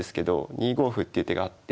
２五歩っていう手があって。